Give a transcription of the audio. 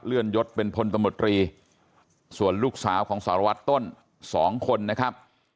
เลื่อนยดเป็นพลตมตรีส่วนลูกสาวของสรวจต้นสองคนนะครับ